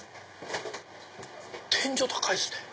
天井高いっすね。